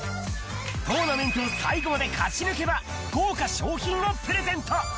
トーナメントを最後まで勝ち抜けば、豪華賞品をプレゼント。